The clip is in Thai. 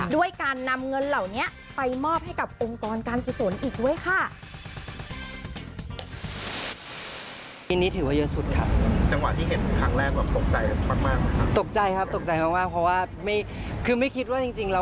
ด้วยการนำเงินเหล่านี้ไปมอบให้กับองค์กรการกุศลอีกด้วยค่ะ